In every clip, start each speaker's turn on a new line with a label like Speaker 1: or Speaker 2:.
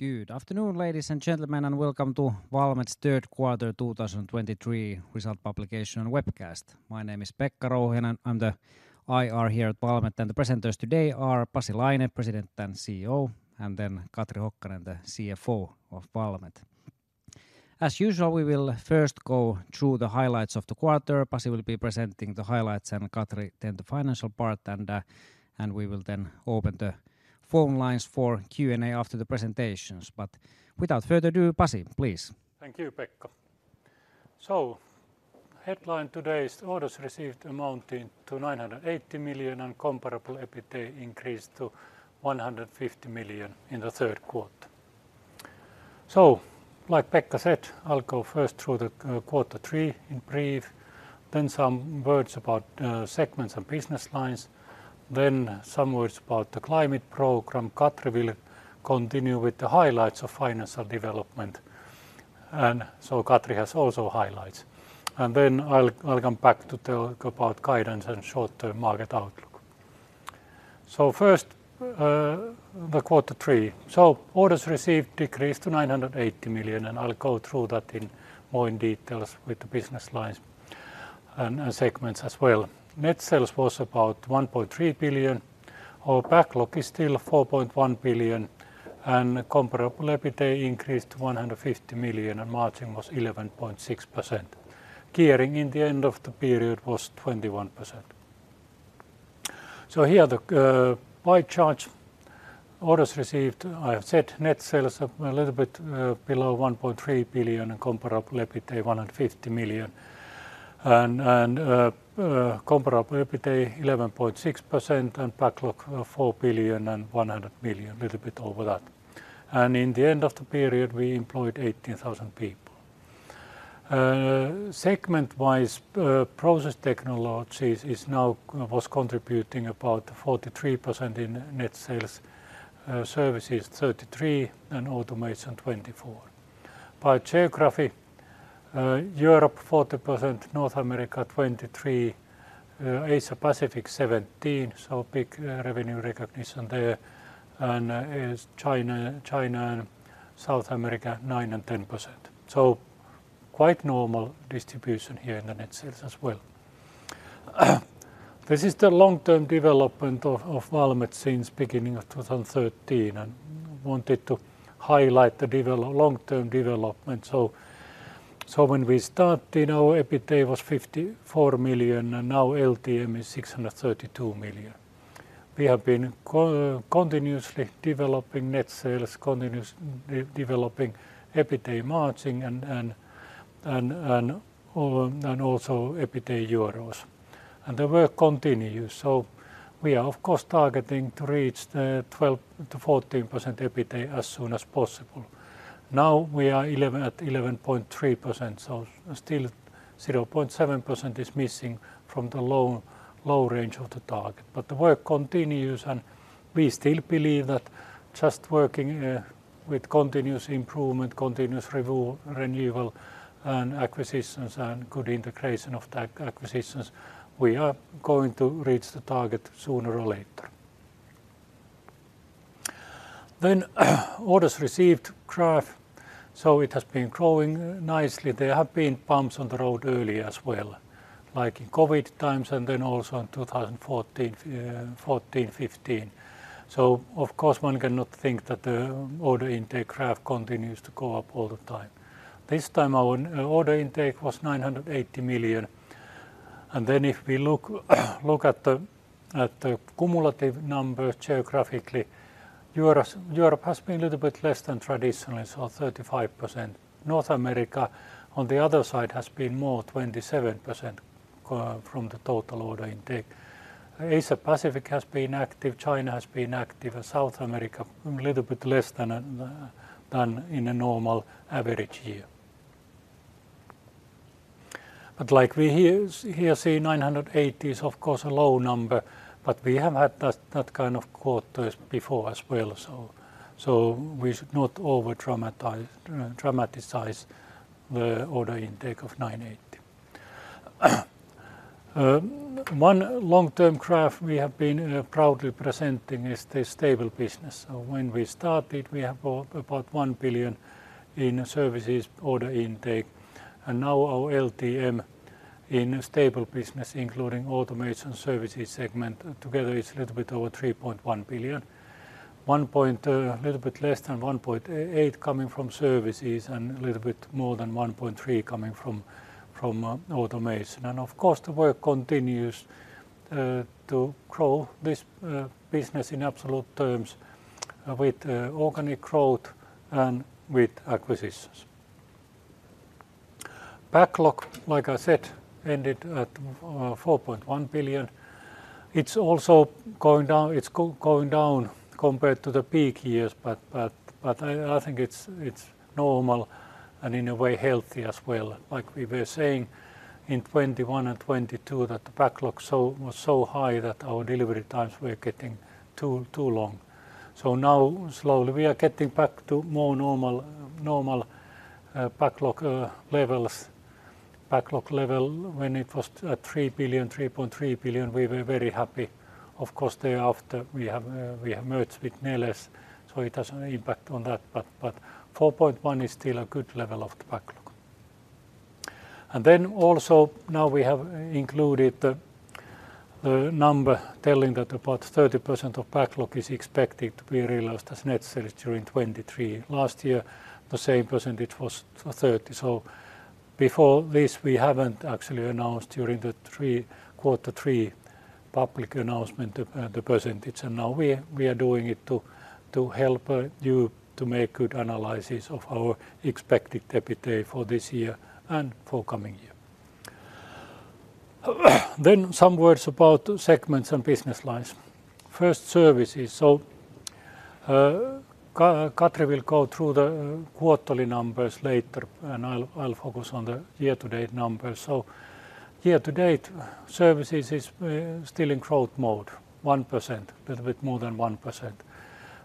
Speaker 1: Good afternoon, ladies and gentlemen, and welcome to Valmet's third quarter 2023 result publication and webcast. My name is Pekka Rouhiainen, I'm the IR here at Valmet, and the presenters today are Pasi Laine, President and CEO, and then Katri Hokkanen, the CFO of Valmet. As usual, we will first go through the highlights of the quarter. Pasi will be presenting the highlights, and Katri, then the financial part, and, and we will then open the phone lines for Q&A after the presentations. But without further ado, Pasi, please.
Speaker 2: Thank you, Pekka. Headline today is orders received amounting to 980 million, and comparable EBITA increased to 150 million in the third quarter. Like Pekka said, I'll go first through the quarter three in brief, then some words about segments and business lines, then some words about the climate program. Katri will continue with the highlights of financial development, and Katri has also highlights. Then I'll come back to talk about guidance and short-term market outlook. First, the quarter three. Orders received decreased to 980 million, and I'll go through that in more detail with the business lines and segments as well. Net sales was about 1.3 billion, our backlog is still 4.1 billion, and comparable EBITA increased to 150 million, and margin was 11.6%. Gearing in the end of the period was 21%. So here, the, by chart, orders received, I have said net sales are a little bit below 1.3 billion and comparable EBITA, 150 million. And, and, comparable EBITA, 11.6%, and backlog of 4.1 billion, little bit over that. And in the end of the period, we employed 18,000 people. Segment-wise, Process Technologies is now was contributing about 43% in net sales, Services 33%, and Automation 24%. By geography, Europe 40%, North America 23%, Asia-Pacific 17%, so big revenue recognition there, and China and South America 9%-10%. So quite normal distribution here in the net sales as well. This is the long-term development of Valmet since beginning of 2013, and wanted to highlight the long-term development. So when we started, our EBITA was 54 million, and now LTM is 632 million. We have been continuously developing net sales, continuously developing EBITA margin and also EBITA euros. And the work continues, so we are of course targeting to reach 12%-14% EBITA as soon as possible. Now, we are at 11.3%, so still 0.7% is missing from the low, low range of the target. But the work continues, and we still believe that just working with continuous improvement, continuous review, renewal, and acquisitions, and good integration of the acquisitions, we are going to reach the target sooner or later. Then, orders received graph, so it has been growing nicely. There have been bumps on the road early as well, like in COVID times and then also in 2014, 2014, 2015. So of course, one cannot think that the order intake graph continues to go up all the time. This time, our order intake was 980 million, and then if we look at the cumulative numbers geographically, Europe has been a little bit less than traditionally, so 35%. North America, on the other side, has been more, 27% from the total order intake. Asia-Pacific has been active, China has been active, and South America, a little bit less than in a normal, average year. But like we here see, 980 is of course a low number, but we have had that kind of quarters before as well. So we should not overdramatize the order intake of 980. One long-term graph we have been proudly presenting is the stable business. So when we started, we have about 1 billion in services order intake, and now our LTM in stable business, including automation services segment, together is a little bit over 3.1 billion. 1.8 coming from services and a little bit more than 1.3 coming from automation. And of course, the work continues to grow this business in absolute terms with organic growth and with acquisitions. Backlog, like I said, ended at 4.1 billion. It's also going down. It's going down compared to the peak years, but I think it's normal and in a way, healthy as well. Like we were saying in 2021 and 2022, that the backlog was so high that our delivery times were getting too long. So now, slowly we are getting back to more normal, normal, backlog levels, backlog level when it was three billion, 3.3 billion, we were very happy. Of course, thereafter, we have merged with Neles, so it has an impact on that, but 4.1 is still a good level of the backlog. And then also, now we have included the number telling that about 30% of backlog is expected to be realized as net sales during 2023. Last year, the same percentage was 30%. So before this, we haven't actually announced during the Q3 public announcement the percentage, and now we are doing it to help you to make good analysis of our expected EBITA for this year and for coming year. Then some words about segments and business lines. First, services. So, Katri will go through the quarterly numbers later, and I'll focus on the year-to-date numbers. So year to date, services is still in growth mode, 1%, little bit more than 1%.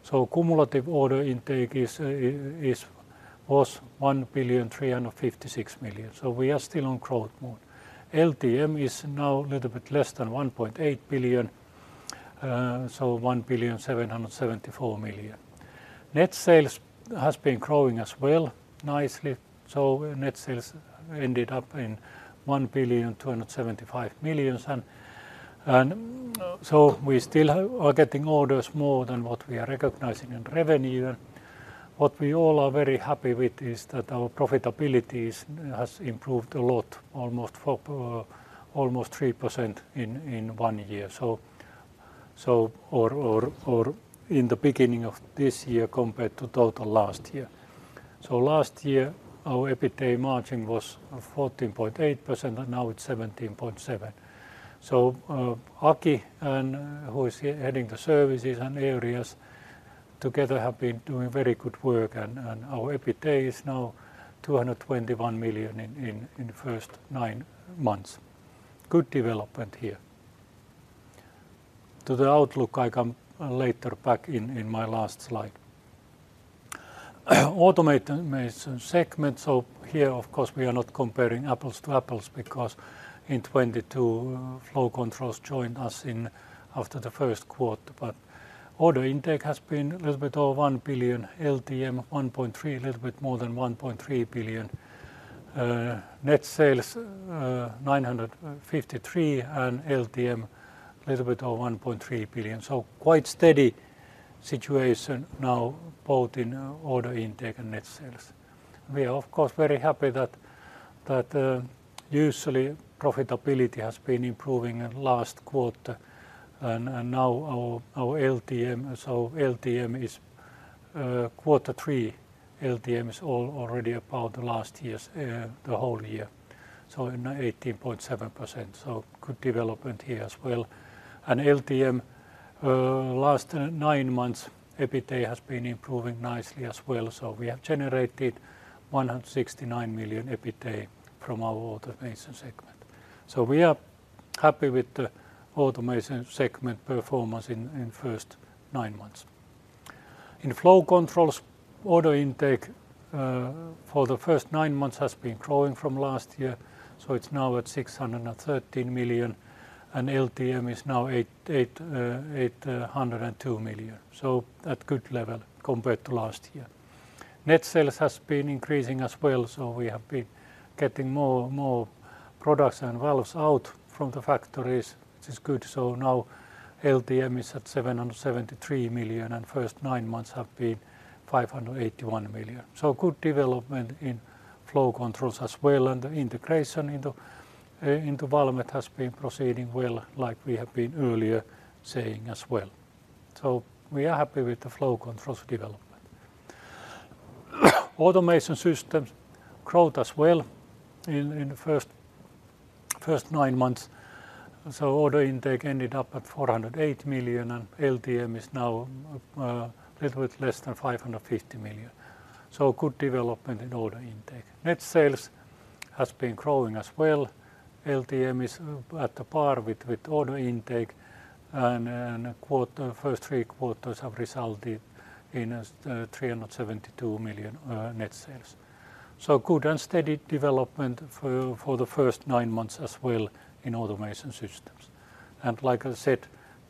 Speaker 2: So cumulative order intake was 1,356 million, so we are still on growth mode. LTM is now a little bit less than 1.8 billion, so 1,774 million. Net sales has been growing as well, nicely. So net sales ended up in 1,275 million. And so we still are getting orders more than what we are recognizing in revenue. What we all are very happy with is that our profitability has improved a lot, almost 4%, almost 3% in one year. So in the beginning of this year, compared to total last year. So last year, our EBITA margin was 14.8%, and now it's 17.7%. So, Aki, and who is heading the services and areas, together have been doing very good work, and our EBITA is now 221 million in the first nine months. Good development here. To the outlook, I come later back in my last slide. Automation segment, so here, of course, we are not comparing apples to apples because in 2022, Flow Control joined us after the first quarter. But order intake has been a little bit over 1 billion, LTM 1.3, a little bit more than 1.3 billion. Net sales, 953, and LTM, a little bit over 1.3 billion. So quite steady situation now, both in order intake and net sales. We are, of course, very happy that that usually profitability has been improving in last quarter, and and now our our LTM, so LTM is quarter three, LTM is already about the last year's the whole year, so in 18.7%, so good development here as well. And LTM last nine months, EBITA has been improving nicely as well, so we have generated 169 million EBITA from our automation segment. So we are happy with the automation segment performance in first nine months. In Flow Controls, order intake for the first nine months has been growing from last year, so it's now at 613 million, and LTM is now 882 million, so at good level compared to last year. Net sales has been increasing as well, so we have been getting more, more products and valves out from the factories, which is good. So now LTM is at 773 million, and first nine months have been 581 million. So good development in Flow Controls as well, and the integration into Valmet has been proceeding well, like we have been earlier saying as well. So we are happy with the Flow Controls development. Automation systems growth as well in the first nine months. So order intake ended up at 408 million, and LTM is now a little bit less than 550 million, so good development in order intake. Net sales has been growing as well. LTM is at par with order intake, and the first three quarters have resulted in 372 million net sales. So good and steady development for the first nine months as well in Automation Systems. And like I said,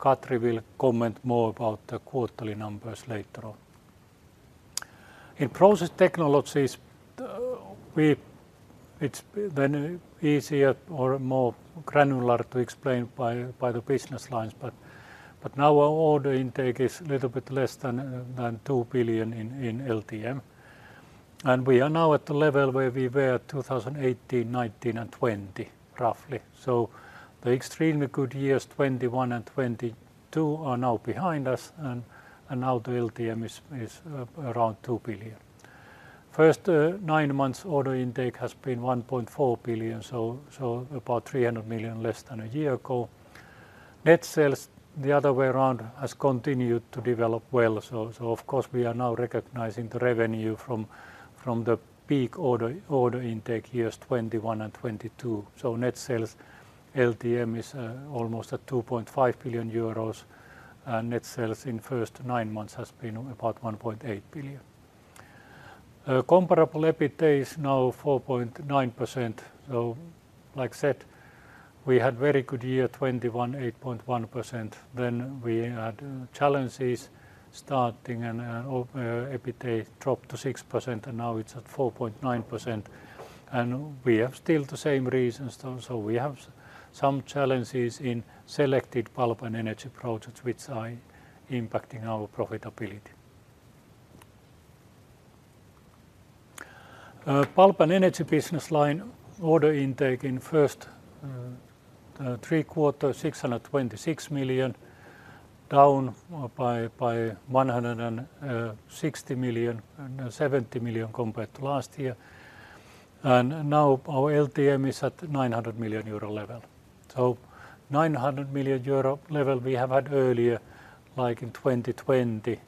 Speaker 2: Katri will comment more about the quarterly numbers later on. In Process Technologies, it's then easier or more granular to explain by the business lines, but now our order intake is a little bit less than 2 billion in LTM. And we are now at the level where we were at 2018, 2019, and 2020, roughly. So the extremely good years, 2021 and 2022, are now behind us, and now the LTM is around 2 billion. First nine months order intake has been 1.4 billion, so about 300 million less than a year ago. Net sales, the other way around, has continued to develop well. So of course, we are now recognizing the revenue from the peak order intake years 2021 and 2022. So net sales LTM is almost at 2.5 billion euros, and net sales in first nine months has been about 1.8 billion. Comparable EBITA is now 4.9%. So, like I said, we had very good year 2021, 8.1%. Then we had challenges starting and, EBITA dropped to 6%, and now it's at 4.9%. And we have still the same reasons though, so we have some challenges in selected Pulp and Energy projects which are impacting our profitability. Pulp and energy business line order intake in first three quarters, 626 million, down by 170 million compared to last year. And now our LTM is at 900 million euro level. So 900 million euro level we have had earlier, like in 2020.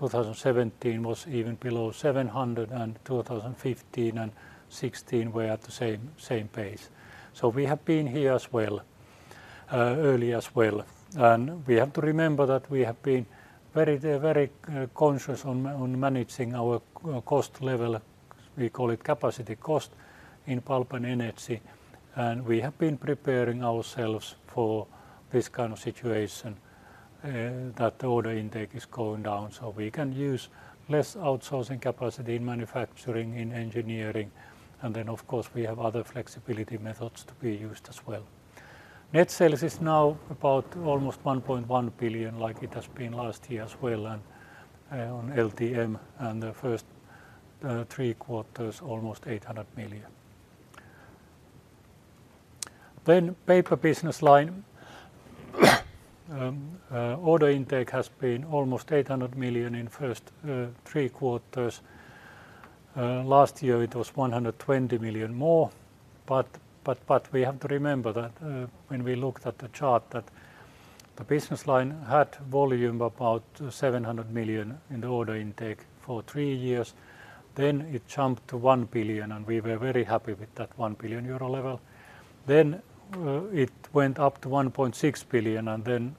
Speaker 2: 2017 was even below 700, and 2015 and 2016 were at the same, same pace. So we have been here as well, early as well. We have to remember that we have been very, very, conscious on managing our cost level, we call it capacity cost, in Pulp and Energy, and we have been preparing ourselves for this kind of situation, that the order intake is going down so we can use less outsourcing capacity in manufacturing, in engineering, and then, of course, we have other flexibility methods to be used as well. Net sales is now about almost 1.1 billion, like it has been last year as well, and, on LTM and the first three quarters, almost EUR 800 million. Then Paper Business Line, order intake has been almost 800 million in first three quarters. Last year it was 120 million more, but we have to remember that when we looked at the chart, that the business line had volume about 700 million in the order intake for three years, then it jumped to 1 billion, and we were very happy with that 1 billion euro level. Then it went up to 1.6 billion, and then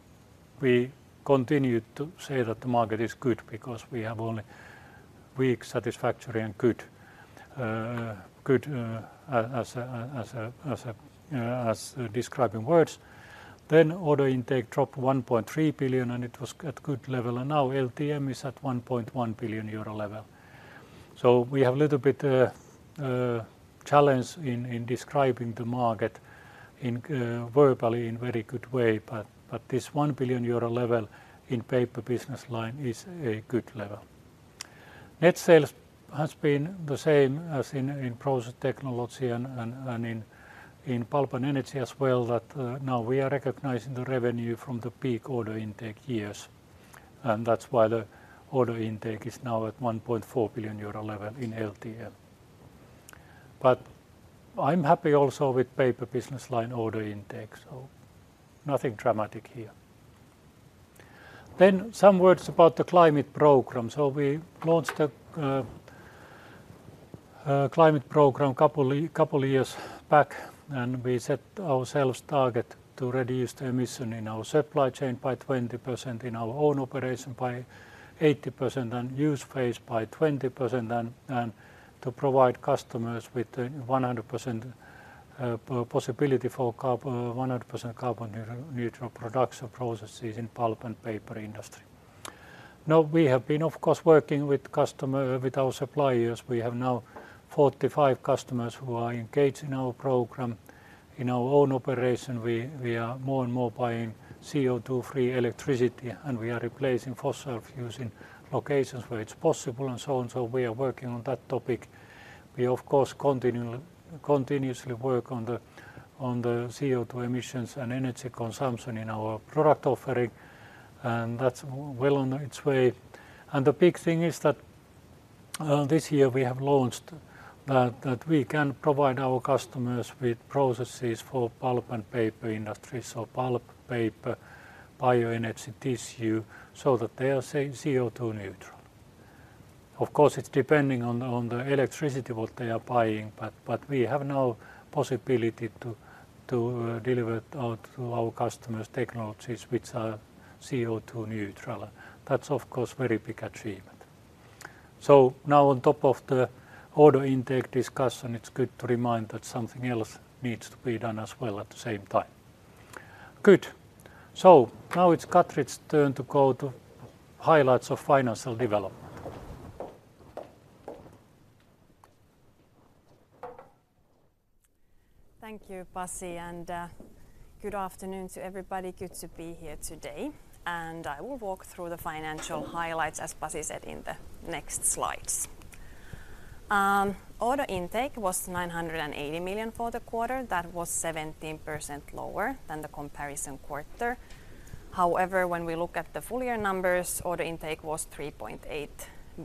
Speaker 2: we continued to say that the market is good because we have only weak, satisfactory, and good as describing words. Then order intake dropped to 1.3 billion, and it was at good level, and now LTM is at 1.1 billion euro level. So we have a little bit challenge in describing the market verbally in very good way, but this 1 billion euro level in Paper Business Line is a good level. Net sales has been the same as in process technology and in Pulp and Energy as well, that now we are recognizing the revenue from the peak order intake years, and that's why the order intake is now at 1.4 billion euro level in LTM. But I'm happy also with Paper Business Line order intake, so nothing dramatic here. Then some words about the climate program. So we launched a climate program a couple years back, and we set ourselves target to reduce the emission in our supply chain by 20%, in our own operation by 80%, and use phase by 20%, and to provide customers with a 100% possibility for 100% carbon neutral production processes in pulp and paper industry. Now, we have been, of course, working with our suppliers. We have now 45 customers who are engaged in our program. In our own operation, we are more and more buying CO2-free electricity, and we are replacing fossil fuels in locations where it's possible, and so on. So we are working on that topic. We, of course, continually, continuously work on the, on the CO2 emissions and energy consumption in our product offering, and that's well on its way. And the big thing is that this year we have launched that we can provide our customers with processes for pulp and paper industry, so pulp, paper, bioenergy tissue, so that they are say, CO2 neutral. Of course, it's depending on, on the electricity what they are buying, but we have now possibility to deliver out to our customers technologies which are CO2 neutral. That's, of course, very big achievement. So now on top of the order intake discussion, it's good to remind that something else needs to be done as well at the same time. Good. So now it's Katri's turn to go to highlights of financial development.
Speaker 3: Thank you, Pasi, and good afternoon to everybody. Good to be here today, and I will walk through the financial highlights, as Pasi said, in the next slides. Order intake was 980 million for the quarter. That was 17% lower than the comparison quarter. However, when we look at the full year numbers, order intake was 3.8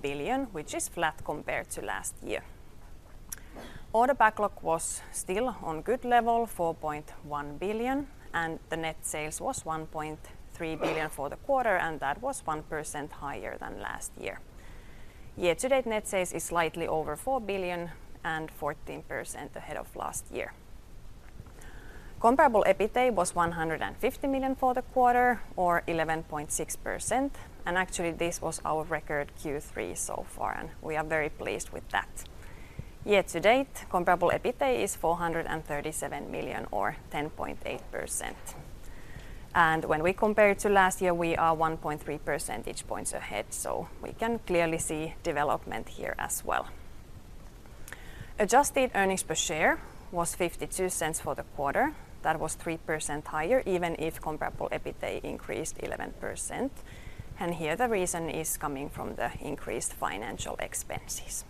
Speaker 3: billion, which is flat compared to last year. Order backlog was still on good level, 4.1 billion, and the net sales were 1.3 billion for the quarter, and that was 1% higher than last year. Year to date, net sales is slightly over 4 billion and 14% ahead of last year. Comparable EBITA was 150 million for the quarter, or 11.6%, and actually this was our record Q3 so far, and we are very pleased with that. Year to date, comparable EBITA is 437 million, or 10.8%. When we compare to last year, we are 1.3 percentage points ahead, so we can clearly see development here as well. Adjusted earnings per share was 0.52 for the quarter. That was 3% higher, even if comparable EBITA increased 11%, and here the reason is coming from the increased financial expenses.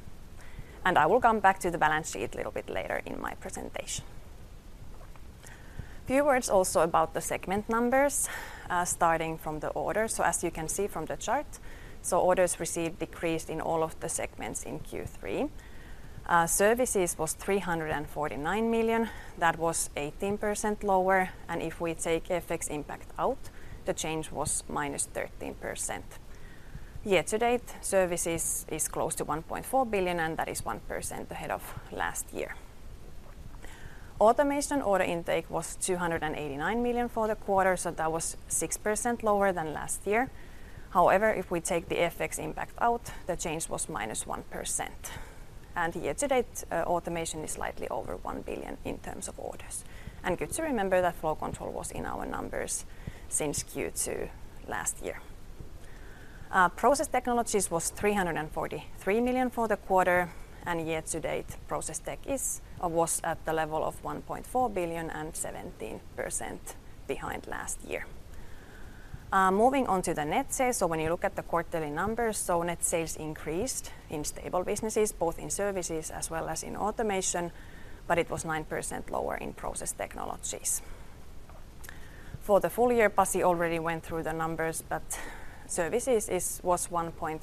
Speaker 3: I will come back to the balance sheet a little bit later in my presentation. A few words also about the segment numbers, starting from the order. So as you can see from the chart, orders received decreased in all of the segments in Q3. Services was 349 million. That was 18% lower, and if we take FX impact out, the change was -13%. Year to date, services is close to 1.4 billion, and that is 1% ahead of last year. Automation order intake was 289 million for the quarter, so that was 6% lower than last year. However, if we take the FX impact out, the change was -1%. And year to date, automation is slightly over 1 billion in terms of orders. And good to remember that flow control was in our numbers since Q2 last year. Process Technologies was 343 million for the quarter, and year to date, Process Tech or was at the level of 1.4 billion and 17% behind last year. Moving on to the net sales, so when you look at the quarterly numbers, so net sales increased in stable businesses, both in Services as well as in Automation, but it was 9% lower in Process Technologies. For the full year, Pasi already went through the numbers, but Services was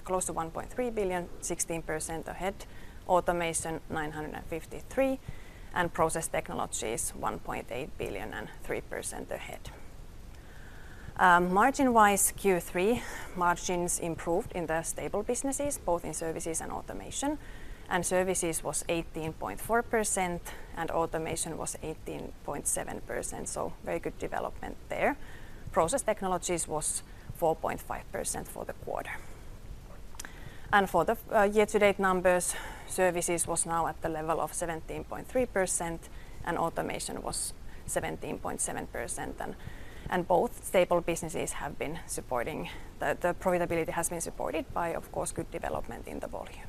Speaker 3: close to 1.3 billion, 16% ahead; Automation, 953 million; and Process Technologies, 1.8 billion and 3% ahead. Margin-wise, Q3 margins improved in the stable businesses, both in Services and Automation, and Services was 18.4%, and Automation was 18.7%, so very good development there. Process Technologies was 4.5% for the quarter. And for the year-to-date numbers, Services was now at the level of 17.3%, and Automation was 17.7%, and both stable businesses have been supporting. The profitability has been supported by, of course, good development in the volume.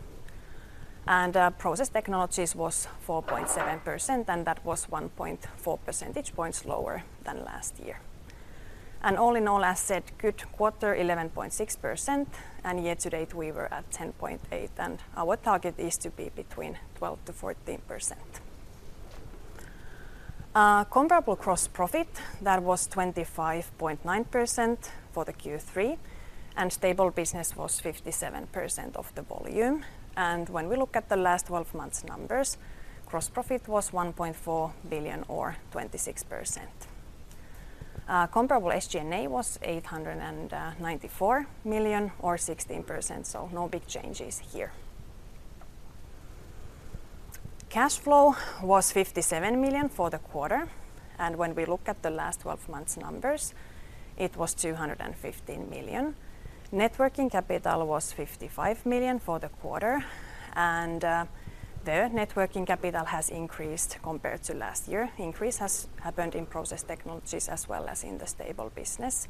Speaker 3: And Process Technologies was 4.7%, and that was 1.4 percentage points lower than last year. And all in all, as said, good quarter, 11.6%, and year to date, we were at 10.8%, and our target is to be between 12%-14%. Comparable gross profit, that was 25.9% for the Q3, and stable business was 57% of the volume. And when we look at the last 12 months numbers, gross profit was 1.4 billion or 26%. Comparable SG&A was 894 million, or 16%, so no big changes here. Cash flow was 57 million for the quarter, and when we look at the last 12 months numbers, it was 215 million. Net working capital was 55 million for the quarter, and the net working capital has increased compared to last year. Increase has happened in Process Technologies as well as in the stable business.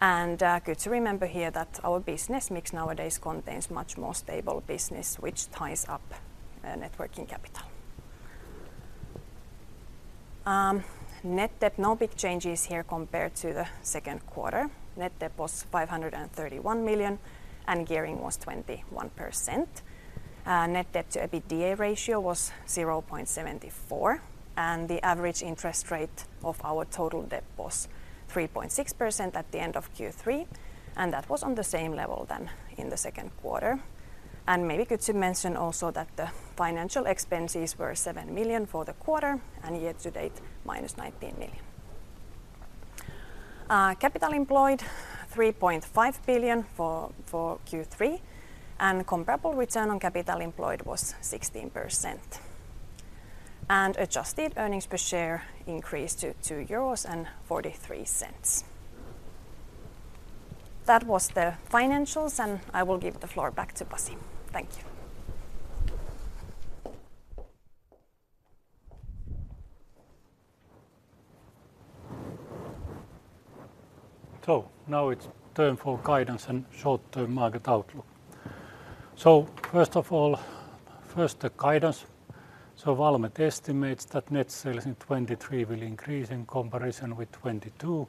Speaker 3: And good to remember here that our business mix nowadays contains much more stable business, which ties up net working capital. Net debt, no big changes here compared to the second quarter. Net debt was 531 million, and gearing was 21%. Net debt to EBITA ratio was 0.74, and the average interest rate of our total debt was 3.6% at the end of Q3, and that was on the same level than in the second quarter. And maybe good to mention also that the financial expenses were 7 million for the quarter, and year to date, -19 million. Capital employed, 3.5 billion for Q3, and comparable return on capital employed was 16%. And adjusted earnings per share increased to 2.43 euros. That was the financials, and I will give the floor back to Pasi. Thank you.
Speaker 2: So now it's time for guidance and short-term market outlook. So first of all, first the guidance. So Valmet estimates that net sales in 2023 will increase in comparison with 2022,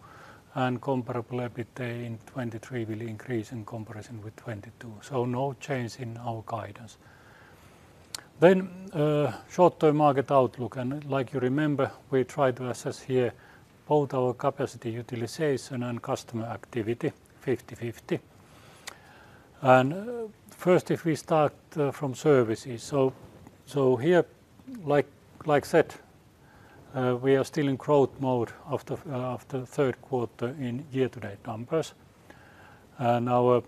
Speaker 2: and Comparable EBITA in 2023 will increase in comparison with 2022, so no change in our guidance. Then, short-term market outlook, and like you remember, we try to assess here both our capacity utilization and customer activity, 50/50. And first, if we start from services, so here, like, like I said, we are still in growth mode after the third quarter in year-to-date numbers, and our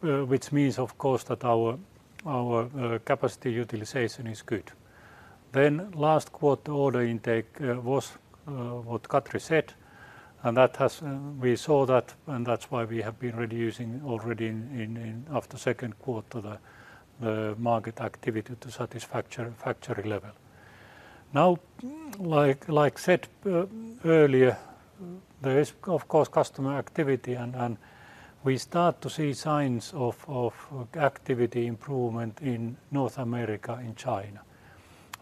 Speaker 2: which means, of course, that our capacity utilization is good. Then last quarter order intake was what Katri said, and that has we saw that, and that's why we have been reducing already in after second quarter the market activity to satisfactory level. Now, like said earlier, there is, of course, customer activity, and we start to see signs of activity improvement in North America and China.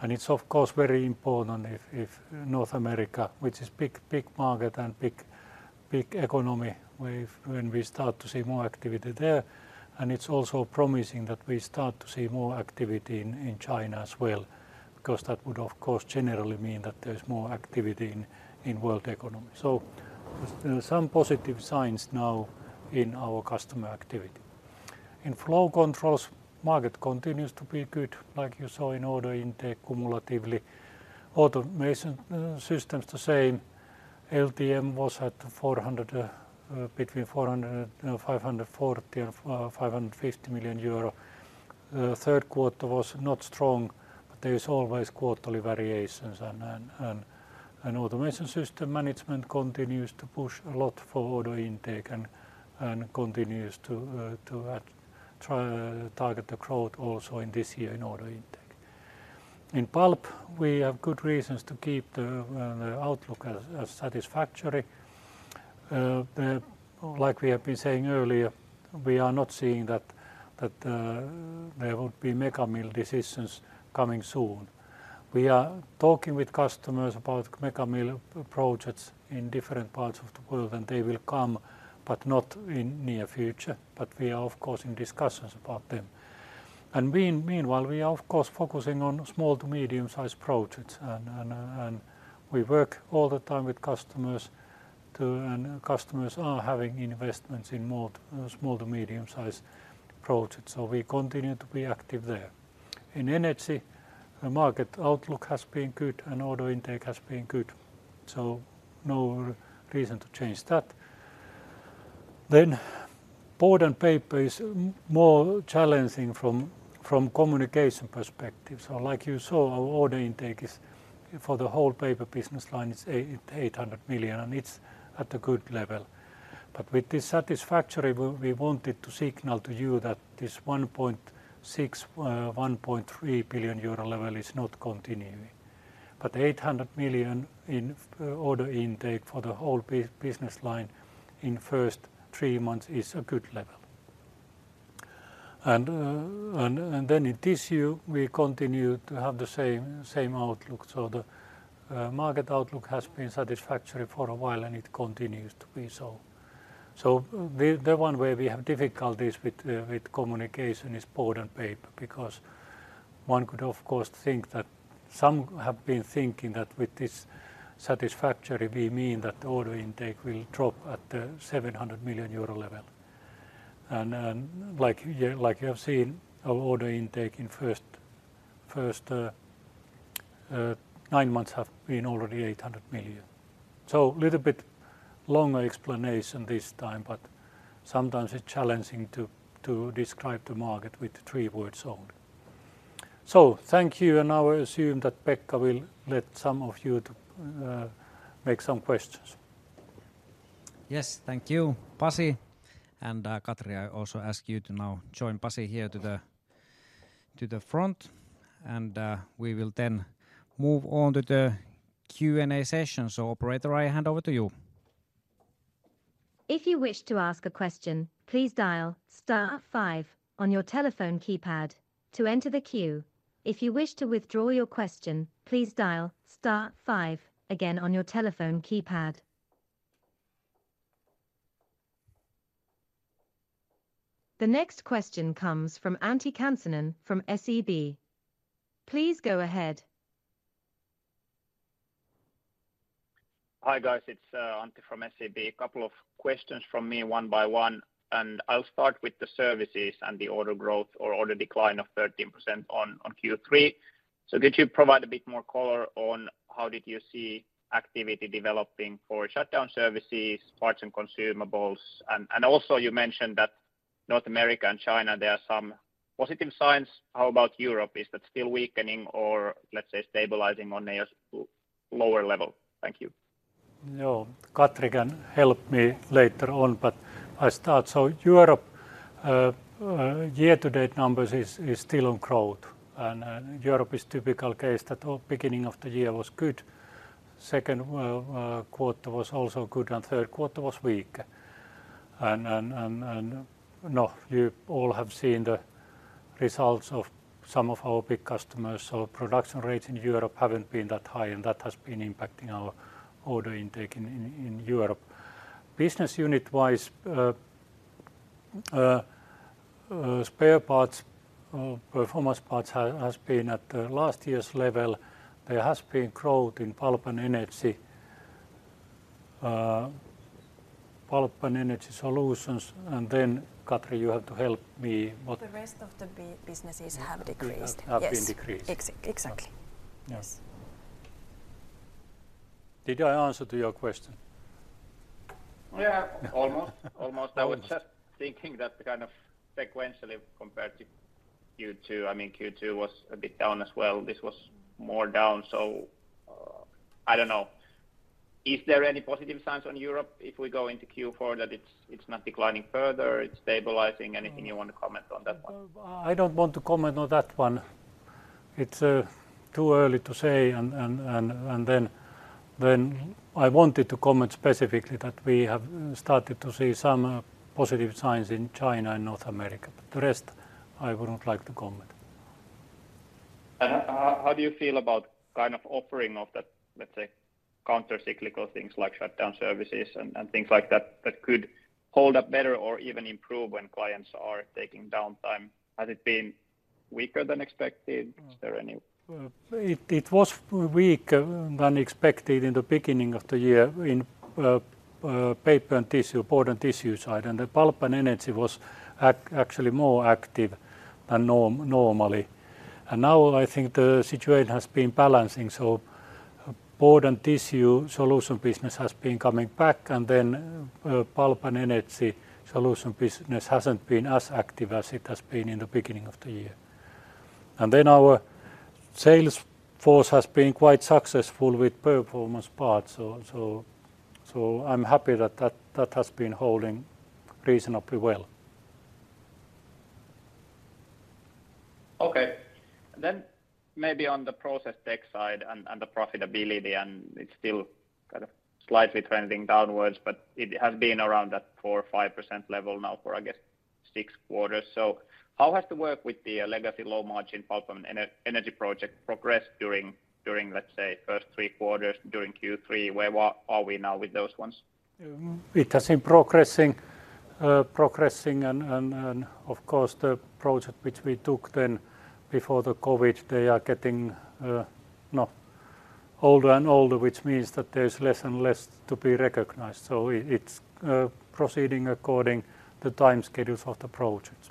Speaker 2: And it's, of course, very important if North America, which is big, big market and big, big economy, when we start to see more activity there, and it's also promising that we start to see more activity in China as well, because that would, of course, generally mean that there's more activity in world economy. So there are some positive signs now in our customer activity. In Flow Controls, market continues to be good, like you saw in order intake cumulatively. Automation systems, the same. LTM was between 540 million and 550 million euro. Third quarter was not strong. There is always quarterly variations, and automation system management continues to push a lot for order intake and continues to try to target the growth also in this year in order intake. In pulp, we have good reasons to keep the outlook as satisfactory. Like we have been saying earlier, we are not seeing that there would be mega mill decisions coming soon. We are talking with customers about mega mill projects in different parts of the world, and they will come, but not in near future. But we are, of course, in discussions about them. Meanwhile, we are, of course, focusing on small to medium-sized projects, and we work all the time with customers are having investments in more small to medium-sized projects, so we continue to be active there. In energy, the market outlook has been good and order intake has been good, so no reason to change that. Then board and paper is more challenging from communication perspective. So like you saw, our order intake is, for the whole Paper Business Line, 800 million, and it's at a good level. But with this satisfactory, we wanted to signal to you that this 1.6, 1.3 billion level is not continuing, but 800 million in order intake for the whole business line in first three months is a good level. And then in tissue, we continue to have the same outlook. So the market outlook has been satisfactory for a while, and it continues to be so. So the one way we have difficulties with communication is board and paper, because one could, of course, think that... Some have been thinking that with this satisfactory, we mean that order intake will drop at the 700 million euro level. And like you have seen, our order intake in first nine months have been already 800 million. So little bit longer explanation this time, but sometimes it's challenging to describe the market with three words only. So thank you, and now I assume that Pekka will let some of you make some questions.
Speaker 1: Yes, thank you, Pasi. And, Katri, I also ask you to now join Pasi here to the front, and, we will then move on to the Q&A session. So operator, I hand over to you.
Speaker 4: If you wish to ask a question, please dial star five on your telephone keypad to enter the queue. If you wish to withdraw your question, please dial star five again on your telephone keypad. The next question comes from Antti Kansanen from SEB. Please go ahead.
Speaker 5: Hi, guys. It's Antti from SEB. A couple of questions from me, one by one, and I'll start with the services and the order growth or order decline of 13% on Q3. So could you provide a bit more color on how did you see activity developing for shutdown services, parts and consumables? And also you mentioned that North America and China, there are some positive signs. How about Europe? Is that still weakening or, let's say, stabilizing on a lower level? Thank you.
Speaker 2: No, Katri can help me later on, but I start. So Europe year-to-date numbers is still on growth, and Europe is typical case that all beginning of the year was good. Second quarter was also good, and third quarter was weak. And now you all have seen the results of some of our big customers. So production rates in Europe haven't been that high, and that has been impacting our order intake in Europe. Business unit-wise, spare parts, performance parts has been at the last year's level. There has been growth in Pulp and Energy, Pulp and Energy solutions, and then, Katri, you have to help me what-
Speaker 3: The rest of the businesses have decreased.
Speaker 2: Have been decreased.
Speaker 3: Yes, exactly.
Speaker 2: Yes. Did I answer to your question?
Speaker 5: Yeah, almost. Almost.
Speaker 2: Almost.
Speaker 5: I was just thinking that the kind of sequentially compared to Q2, I mean, Q2 was a bit down as well. This was more down, so, I don't know. Is there any positive signs on Europe if we go into Q4 that it's, it's not declining further, it's stabilizing? Anything you want to comment on that one?
Speaker 2: I don't want to comment on that one. It's too early to say. Then I wanted to comment specifically that we have started to see some positive signs in China and North America, but the rest, I would not like to comment.
Speaker 5: How do you feel about kind of offering of that, let's say, counter-cyclical things like shutdown services and things like that, that could hold up better or even improve when clients are taking downtime? Has it been weaker than expected? Is there any?
Speaker 2: It was weaker than expected in the beginning of the year in paper and tissue, board and tissue side, and the Pulp and Energy was actually more active than normally. And now I think the situation has been balancing. So board and tissue solution business has been coming back, and then Pulp and Energy solution business hasn't been as active as it has been in the beginning of the year. And then our sales force has been quite successful with performance parts, so I'm happy that that has been holding reasonably well.
Speaker 5: Okay. Then maybe on the process tech side and the profitability, and it's still kind of slightly trending downwards, but it has been around that 4%-5% level now for, I guess, 6 quarters. So how has the work with the legacy low-margin Pulp and Energy project progressed during, let's say, first 3 quarters, during Q3? Where are we now with those ones?
Speaker 2: It has been progressing, progressing and, of course, the project which we took then before the COVID, they are getting now older and older, which means that there's less and less to be recognized. So it, it's proceeding according the time schedules of the projects.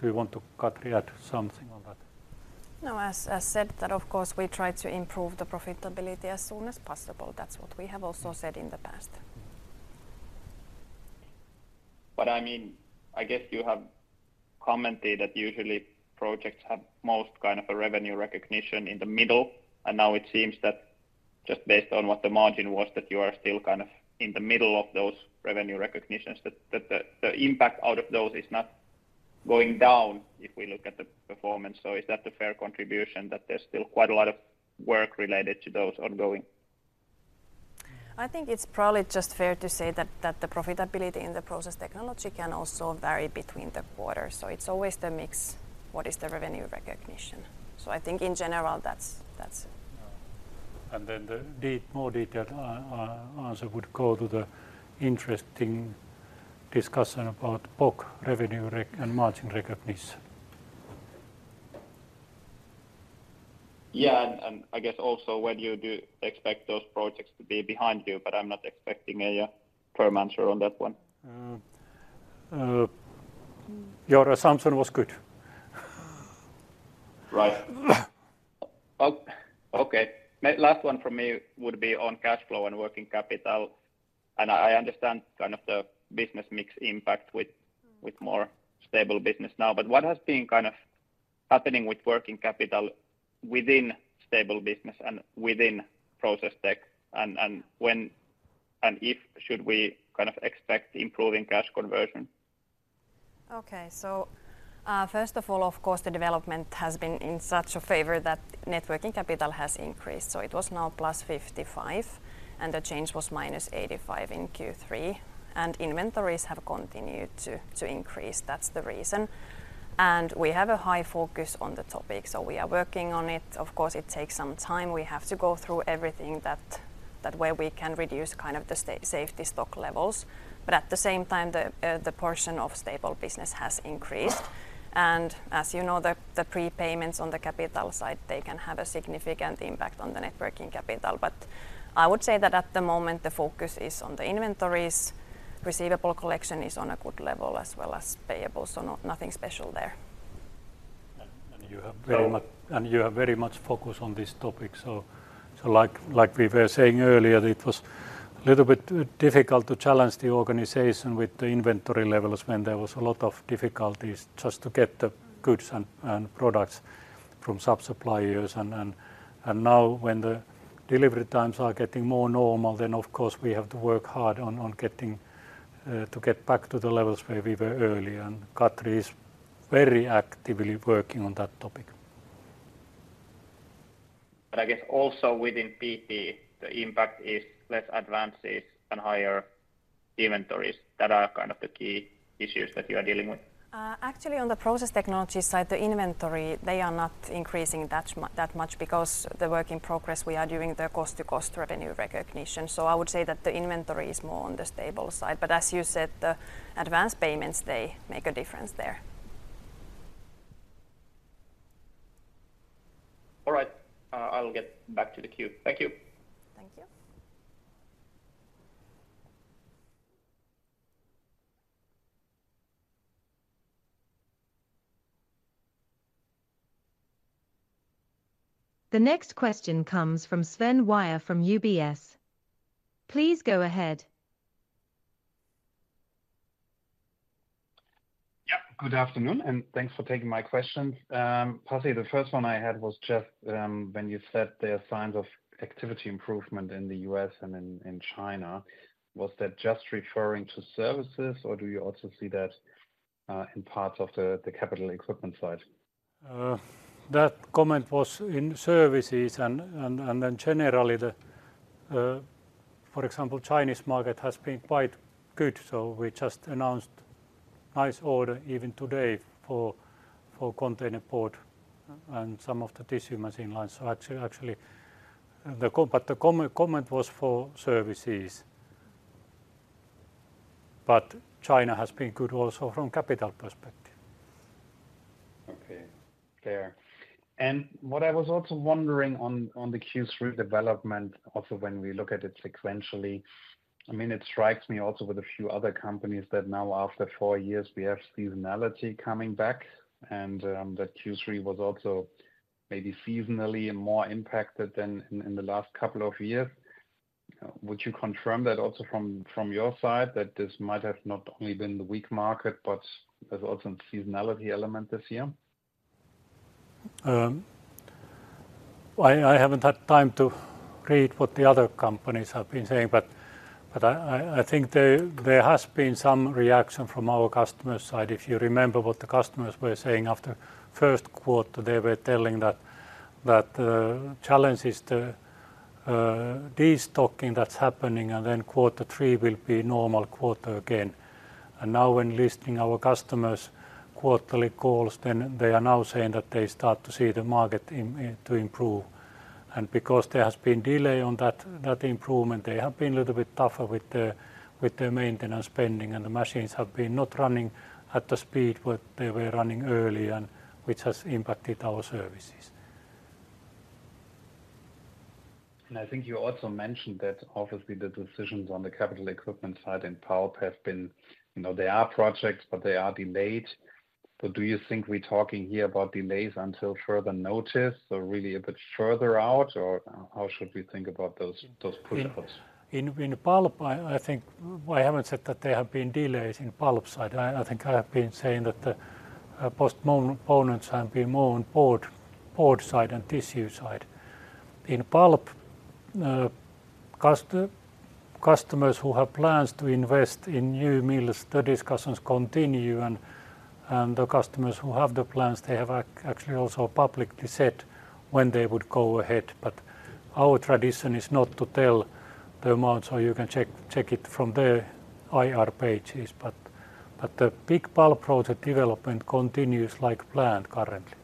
Speaker 2: Do you want to, Katri, add something on that?
Speaker 3: No, as I said, that of course, we try to improve the profitability as soon as possible. That's what we have also said in the past.
Speaker 5: But I mean, I guess you have commented that usually projects have most kind of a revenue recognition in the middle, and now it seems that just based on what the margin was, that you are still kind of in the middle of those revenue recognitions, that the impact out of those is not going down if we look at the performance. So is that a fair contribution, that there's still quite a lot of work related to those ongoing?
Speaker 3: I think it's probably just fair to say that, that the profitability in the process technology can also vary between the quarters, so it's always the mix, what is the revenue recognition. So I think in general, that's, that's it.
Speaker 2: Yeah. And then the more detailed answer would go to the interesting discussion about POC revenue recognition and margin recognition.
Speaker 5: Yeah, and I guess also, when do you expect those projects to be behind you? But I'm not expecting a firm answer on that one.
Speaker 2: Your assumption was good.
Speaker 5: Right. Oh, okay. My last one from me would be on cash flow and working capital. I understand kind of the business mix impact with more stable business now, but what has been kind of happening with working capital within stable business and within process tech? And when and if should we kind of expect improving cash conversion?
Speaker 3: Okay. So, first of all, of course, the development has been in such a favor that Net Working Capital has increased, so it was now +55, and the change was -85 in Q3, and inventories have continued to increase. That's the reason. And we have a high focus on the topic, so we are working on it. Of course, it takes some time. We have to go through everything that where we can reduce kind of the safety stock levels. But at the same time, the portion of stable business has increased. And as you know, the prepayments on the capital side, they can have a significant impact on the Net Working Capital. But I would say that at the moment, the focus is on the inventories. Receivable collection is on a good level as well as payable, so nothing special there.
Speaker 2: And you have very much.
Speaker 5: So.
Speaker 2: And you have very much focus on this topic. So, like we were saying earlier, it was a little bit difficult to challenge the organization with the inventory levels when there was a lot of difficulties just to get the goods and products from sub-suppliers. And now, when the delivery times are getting more normal, then, of course, we have to work hard on getting to get back to the levels where we were earlier, and Katri is very actively working on that topic.
Speaker 5: I guess also within PP, the impact is less advances and higher inventories. That are kind of the key issues that you are dealing with.
Speaker 3: Actually, on the process technology side, the inventory, they are not increasing that much because the work in progress, we are doing the cost-to-cost revenue recognition. So I would say that the inventory is more on the stable side. But as you said, the advance payments, they make a difference there.
Speaker 5: All right, I will get back to the queue. Thank you.
Speaker 3: Thank you.
Speaker 4: The next question comes from Sven Weier from UBS. Please go ahead.
Speaker 6: Yeah, good afternoon, and thanks for taking my questions. Pasi, the first one I had was just, when you said there are signs of activity improvement in the U.S. and in, in China, was that just referring to services, or do you also see that, in parts of the, the capital equipment side?
Speaker 2: That comment was in services and then generally the. For example, Chinese market has been quite good, so we just announced nice order even today for container port and some of the tissue machine lines. So actually, but the comment was for services. But China has been good also from capital perspective.
Speaker 6: Okay. Fair. And what I was also wondering on, on the Q3 development, also when we look at it sequentially, I mean, it strikes me also with a few other companies that now after four years, we have seasonality coming back, and that Q3 was also maybe seasonally more impacted than in, in the last couple of years. Would you confirm that also from, from your side, that this might have not only been the weak market, but there's also a seasonality element this year?
Speaker 2: I haven't had time to read what the other companies have been saying, but I think there has been some reaction from our customer side. If you remember what the customers were saying after first quarter, they were telling that challenge is the destocking that's happening, and then quarter three will be normal quarter again. And now when listening our customers' quarterly calls, then they are now saying that they start to see the market improve. And because there has been delay on that improvement, they have been a little bit tougher with their maintenance spending, and the machines have been not running at the speed what they were running earlier, and which has impacted our services.
Speaker 6: I think you also mentioned that obviously, the decisions on the capital equipment side in pulp have been... You know, there are projects, but they are delayed. Do you think we're talking here about delays until further notice or really a bit further out, or how should we think about those, those push-outs?
Speaker 2: In pulp, I think I haven't said that there have been delays in pulp side. I think I have been saying that the postponements have been more on board side and tissue side. In pulp, customers who have plans to invest in new mills, the discussions continue, and the customers who have the plans, they have actually also publicly said when they would go ahead. But our tradition is not to tell the amount, so you can check it from their IR pages. But the big pulp project development continues like planned currently.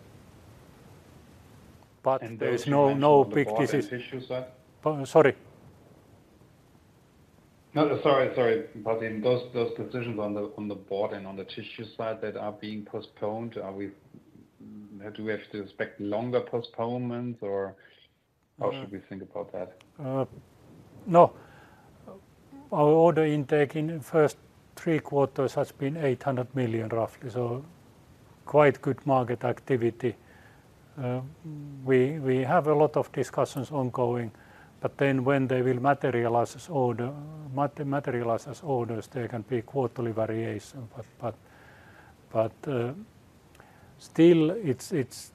Speaker 2: But there is no big decision-
Speaker 6: Those you mentioned on the board and tissue side?
Speaker 2: Sorry?
Speaker 6: No. Sorry, sorry. But in those, those decisions on the, on the board and on the tissue side that are being postponed, are we- do we have to expect longer postponements, or how should we think about that?
Speaker 2: No. Our order intake in the first three quarters has been 800 million, roughly, so quite good market activity. We have a lot of discussions ongoing, but then when they will materialize as orders, there can be quarterly variation. But still, it's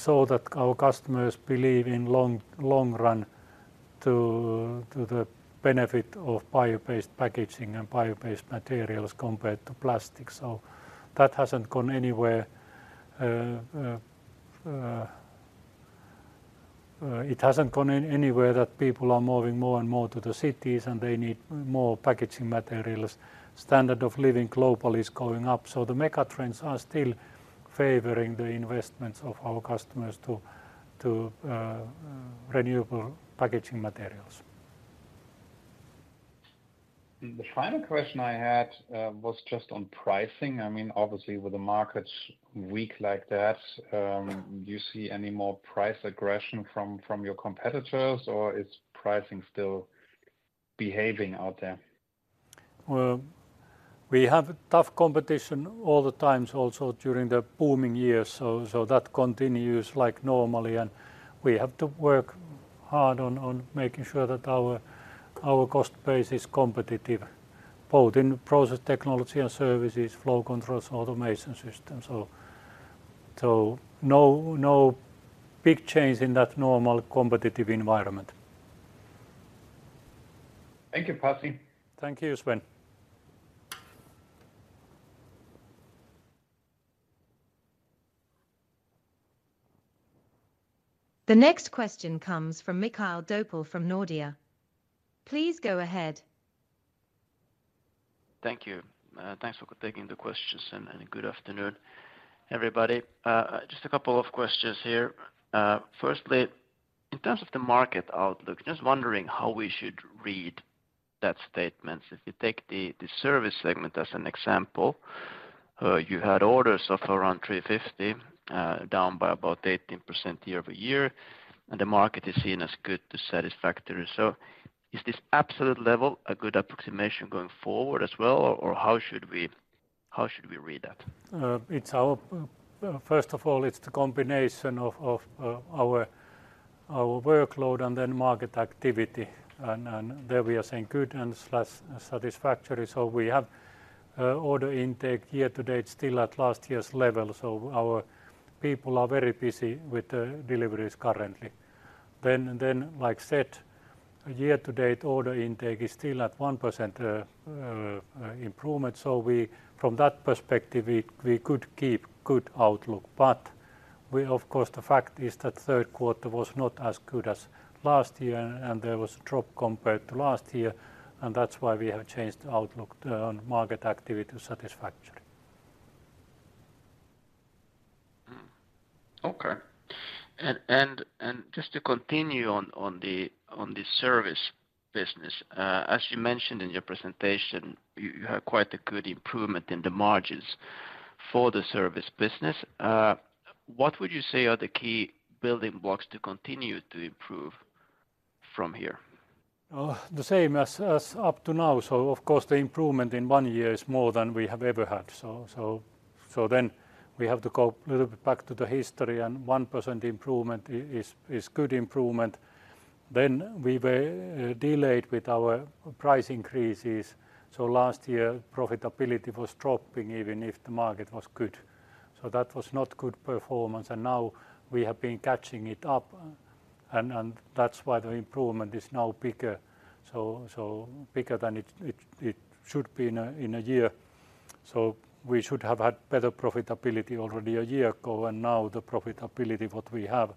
Speaker 2: so that our customers believe in long run to the benefit of bio-based packaging and bio-based materials compared to plastic. So that hasn't gone anywhere. It hasn't gone anywhere that people are moving more and more to the cities, and they need more packaging materials. Standard of living globally is going up, so the mega trends are still favoring the investments of our customers to renewable packaging materials.
Speaker 6: The final question I had was just on pricing. I mean, obviously, with the markets weak like that, do you see any more price aggression from your competitors, or is pricing still behaving out there?
Speaker 2: Well, we have tough competition all the times also during the booming years, so, so that continues like normally, and we have to work hard on, on making sure that our, our cost base is competitive, both in process technology and services, Flow Controls, Automation Systems. So, so no, no big change in that normal competitive environment.
Speaker 6: Thank you, Pasi.
Speaker 2: Thank you, Sven.
Speaker 4: The next question comes from Mikael Doepel from Nordea. Please go ahead.
Speaker 7: Thank you. Thanks for taking the questions, and, and good afternoon, everybody. Just a couple of questions here. Firstly, in terms of the market outlook, just wondering how we should read that statement. If you take the, the service segment as an example, you had orders of around 350, down by about 18% year-over-year, and the market is seen as good to satisfactory. So is this absolute level a good approximation going forward as well, or how should we read that?
Speaker 2: It's our first of all, it's the combination of our workload and then market activity, and there we are saying good and slash satisfactory. So we have order intake year to date still at last year's level, so our people are very busy with the deliveries currently. Then, like I said, year to date order intake is still at 1% improvement, so from that perspective, we could keep good outlook. But we... Of course, the fact is that third quarter was not as good as last year, and there was a drop compared to last year, and that's why we have changed the outlook on market activity to satisfactory.
Speaker 7: Okay. And just to continue on the service business, as you mentioned in your presentation, you had quite a good improvement in the margins for the service business. What would you say are the key building blocks to continue to improve from here?
Speaker 2: The same as up to now. So of course, the improvement in one year is more than we have ever had. So then we have to go a little bit back to the history, and 1% improvement is good improvement. Then we were delayed with our price increases, so last year, profitability was dropping even if the market was good. So that was not good performance, and now we have been catching it up, and that's why the improvement is now bigger. So bigger than it should be in a year. So we should have had better profitability already a year ago, and now the profitability what we have.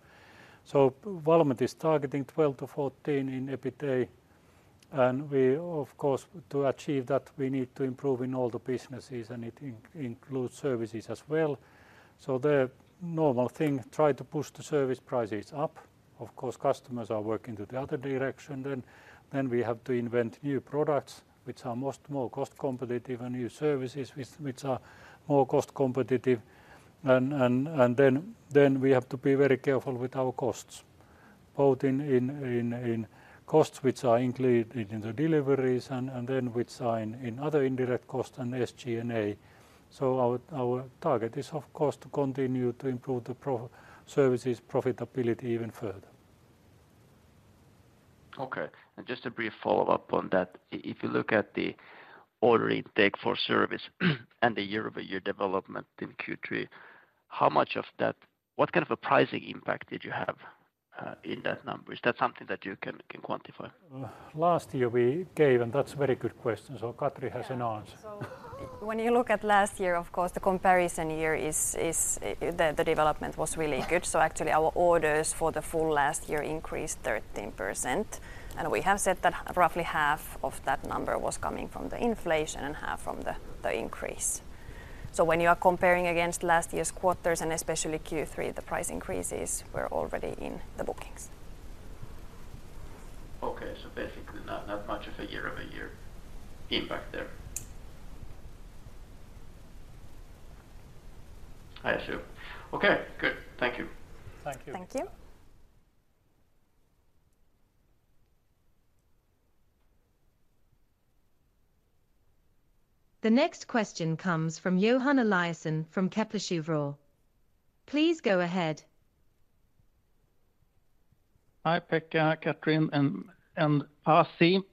Speaker 2: So Valmet is targeting 12-14 in EBITA, and we, of course, to achieve that, we need to improve in all the businesses, and it includes services as well. So the normal thing, try to push the service prices up. Of course, customers are working to the other direction. Then we have to invent new products, which are more cost competitive and new services, which are more cost competitive. And then we have to be very careful with our costs, both in costs, which are included in the deliveries, and then which are in other indirect costs and SG&A. So our target is, of course, to continue to improve the services profitability even further.
Speaker 7: Okay, and just a brief follow-up on that. If you look at the order intake for service and the year-over-year development in Q3, how much of that, what kind of a pricing impact did you have in that number? Is that something that you can quantify?
Speaker 2: Last year we gave. And that's a very good question, so Katri has an answer.
Speaker 3: Yeah, so when you look at last year, of course, the comparison year is the development was really good. So actually, our orders for the full last year increased 13%, and we have said that roughly half of that number was coming from the inflation and half from the increase. So when you are comparing against last year's quarters, and especially Q3, the price increases were already in the bookings.
Speaker 7: Okay. So basically not, not much of a year-over-year impact there, I assume. Okay, good. Thank you.
Speaker 2: Thank you.
Speaker 3: Thank you.
Speaker 4: The next question comes from Johan Eliason from Kepler Cheuvreux. Please go ahead.
Speaker 8: Hi, Pekka, Katri, and Pasi.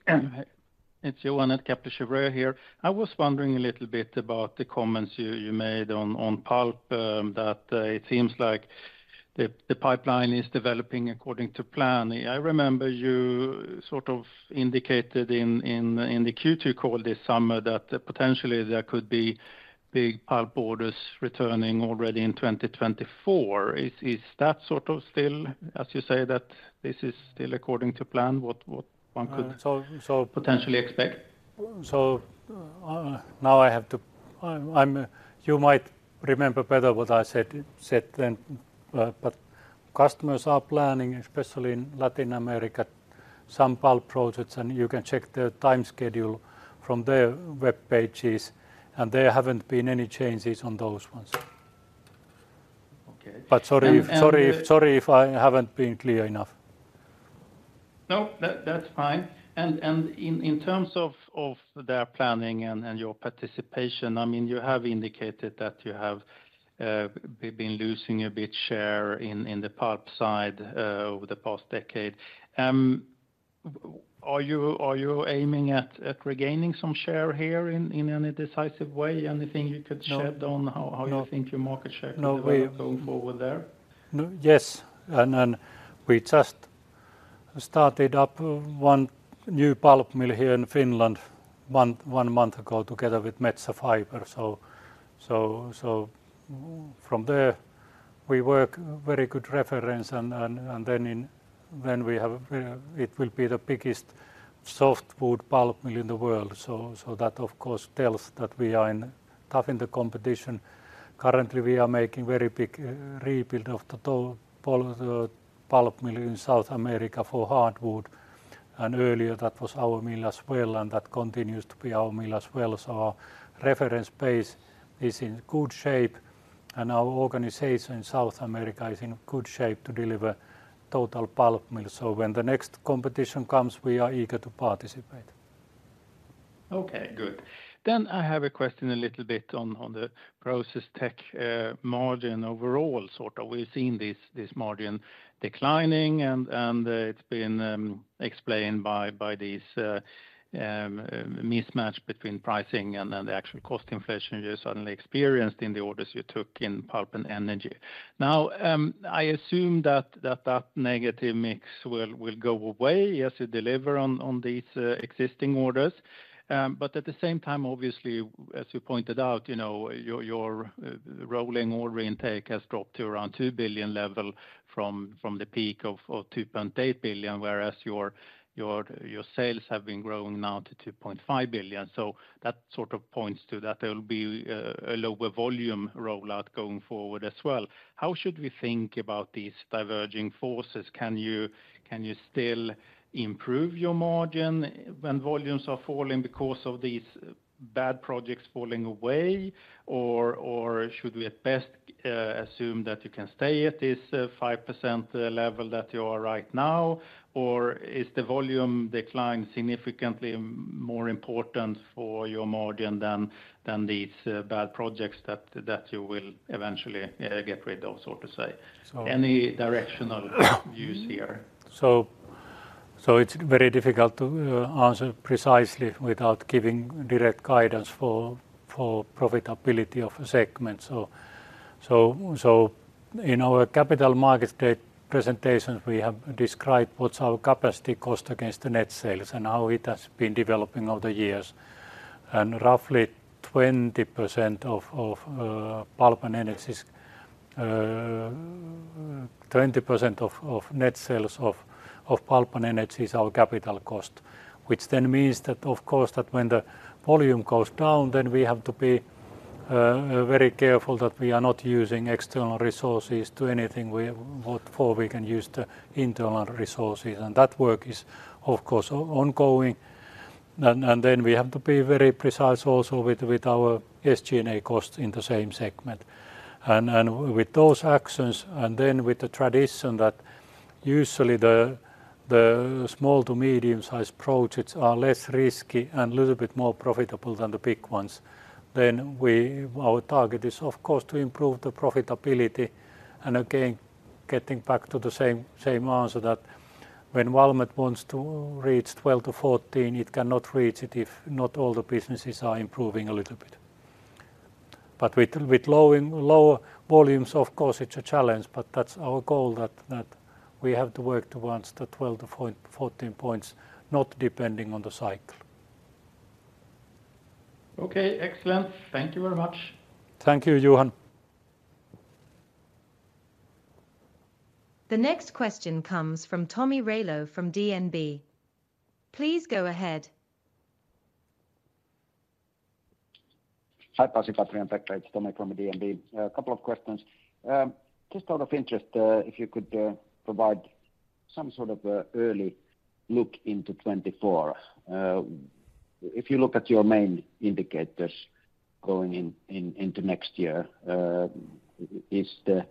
Speaker 8: It's Johan at Kepler Cheuvreux here. I was wondering a little bit about the comments you made on pulp that it seems like the pipeline is developing according to plan. I remember you sort of indicated in the Q2 call this summer that potentially there could be big pulp orders returning already in 2024. Is that sort of still, as you say, that this is still according to plan, what one could.
Speaker 2: So, so.
Speaker 8: Potentially expect?
Speaker 2: So, now I have to, I'm, you might remember better what I said then, but customers are planning, especially in Latin America, some pulp projects, and you can check their time schedule from their web pages, and there haven't been any changes on those ones.
Speaker 8: Okay.
Speaker 2: But sorry.
Speaker 8: And.
Speaker 2: Sorry if I haven't been clear enough.
Speaker 8: No, that's fine. And in terms of their planning and your participation, I mean, you have indicated that you have been losing a bit share in the pulp side over the past decade. Are you aiming at regaining some share here in any decisive way? Anything you could.
Speaker 2: No.
Speaker 8: Shed on how.
Speaker 2: No.
Speaker 8: How you think your market share.
Speaker 2: No, we.
Speaker 8: Going forward there?
Speaker 2: Yes, and then we just started up one new pulp mill here in Finland one month ago together with Metsä Fibre. So from there, we have a very good reference, and then we have it will be the biggest softwood pulp mill in the world. So that, of course, tells that we are tough in the competition. Currently, we are making a very big rebuild of the pulp mill in South America for hardwood, and earlier that was our mill as well, and that continues to be our mill as well. So our reference base is in good shape, and our organization in South America is in good shape to deliver total pulp mill. So when the next competition comes, we are eager to participate.
Speaker 8: Okay, good. Then I have a question a little bit on the process tech margin overall, sort of. We've seen this margin declining, and it's been explained by these mismatch between pricing and then the actual cost inflation you suddenly experienced in the orders you took in Pulp and Energy. Now, I assume that negative mix will go away as you deliver on these existing orders. But at the same time, obviously, as you pointed out, you know, your rolling order intake has dropped to around 2 billion level from the peak of 2.8 billion, whereas your sales have been growing now to 2.5 billion. So that sort of points to that there will be a lower volume rollout going forward as well. How should we think about these diverging forces? Can you still improve your margin when volumes are falling because of these bad projects falling away? Or should we at best assume that you can stay at this 5% level that you are right now? Or is the volume decline significantly more important for your margin than these bad projects that you will eventually get rid of, so to say?
Speaker 2: So.
Speaker 8: Any directional views here?
Speaker 2: It's very difficult to answer precisely without giving direct guidance for profitability of a segment. In our capital markets presentations, we have described what's our capacity cost against the net sales and how it has been developing over the years. And roughly 20% of Pulp and Energy is... 20% of net sales of Pulp and Energy is our capital cost, which then means that, of course, that when the volume goes down, then we have to be very careful that we are not using external resources for anything for what we can use the internal resources, and that work is, of course, ongoing. And then we have to be very precise also with our SG&A costs in the same segment. And with those actions, and then with the tradition that usually the small- to medium-sized projects are less risky and little bit more profitable than the big ones, then our target is, of course, to improve the profitability. And again, getting back to the same answer, that when Valmet wants to reach 12-14, it cannot reach it if not all the businesses are improving a little bit. But with lower volumes, of course, it's a challenge, but that's our goal that we have to work towards the 12-14 points, not depending on the cycle.
Speaker 8: Okay, excellent. Thank you very much.
Speaker 2: Thank you, Johan.
Speaker 4: The next question comes from Tomi Railo from DNB. Please go ahead.
Speaker 9: Hi, Pasi, Katri, and Pekka. It's Tomi from the DNB. A couple of questions. Just out of interest, if you could provide some sort of an early look into 2024. If you look at your main indicators going into next year, is the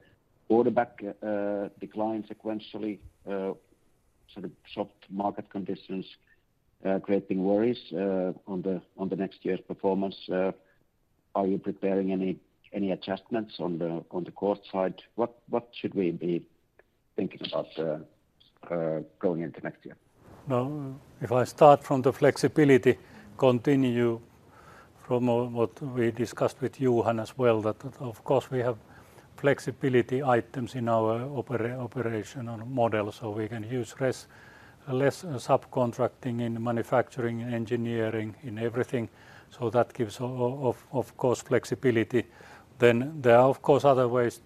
Speaker 9: order backlog decline sequentially, sort of soft market conditions creating worries on the next year's performance? Are you preparing any adjustments on the cost side? What should we be thinking about going into next year?
Speaker 2: Well, if I start from the flexibility, continue from what we discussed with Johan as well, that of course, we have flexibility items in our operational model, so we can use less subcontracting in manufacturing and engineering, in everything. So that gives, of course, flexibility. Then there are, of course, other ways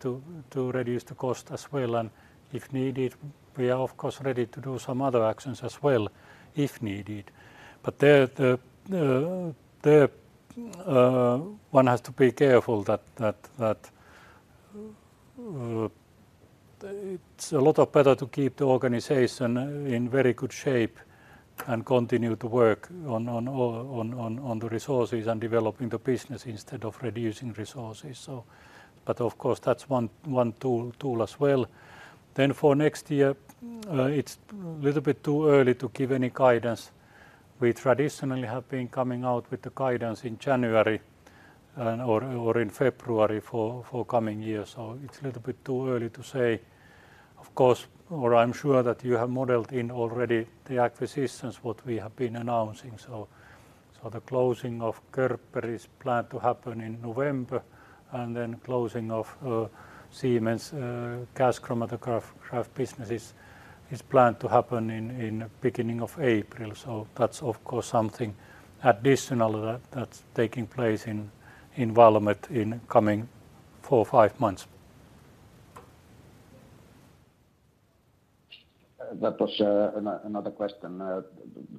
Speaker 2: to reduce the cost as well, and if needed, we are, of course, ready to do some other actions as well, if needed. But the... One has to be careful that it's a lot better to keep the organization in very good shape and continue to work on the resources and developing the business instead of reducing resources, so. But of course, that's one tool as well. Then for next year, it's a little bit too early to give any guidance. We traditionally have been coming out with the guidance in January, and or in February for coming years, so it's a little bit too early to say. Of course, I'm sure that you have modeled in already the acquisitions, what we have been announcing. So the closing of Körber is planned to happen in November, and then closing of Siemens' gas chromatograph business is planned to happen in beginning of April. So that's of course something additional that that's taking place in Valmet in coming four, five months.
Speaker 9: That was another question.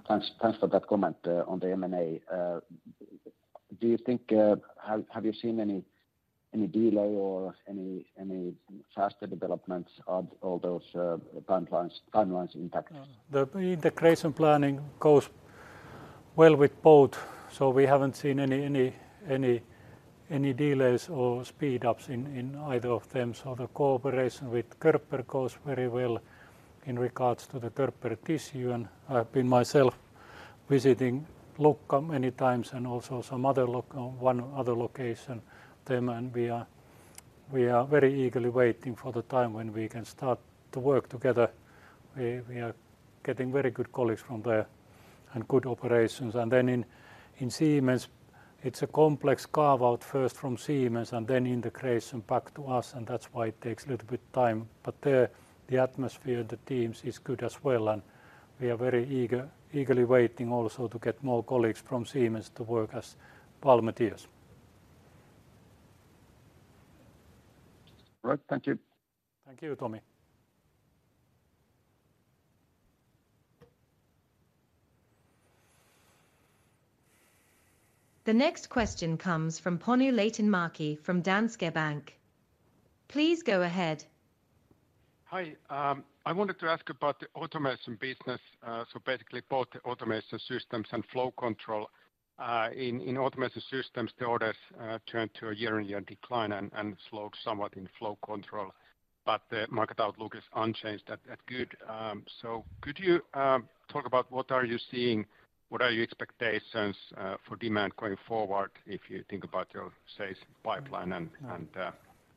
Speaker 9: Thanks for that comment on the M&A. Have you seen any delay or any faster developments of all those timelines impacts?
Speaker 2: The integration planning goes well with both, so we haven't seen any delays or speed ups in either of them. So the cooperation with Körber goes very well in regards to the Körber Tissue, and I've been myself visiting Lucca many times and also some other location, them, and we are very eagerly waiting for the time when we can start to work together. We are getting very good colleagues from there and good operations. And then in Siemens, it's a complex carve-out first from Siemens and then integration back to us, and that's why it takes a little bit time. But the atmosphere, the teams is good as well, and we are eagerly waiting also to get more colleagues from Siemens to work as Valmetians.
Speaker 1: All right. Thank you.
Speaker 2: Thank you, Tomi.
Speaker 4: The next question comes from Panu Laitinmäki from Danske Bank. Please go ahead.
Speaker 10: Hi. I wanted to ask about the automation business. So basically, both the Automation Systems and flow control. In Automation Systems, the orders turned to a year-on-year decline and slowed somewhat in flow control, but the market outlook is unchanged at good. So could you talk about what are you seeing? What are your expectations for demand going forward if you think about your sales pipeline and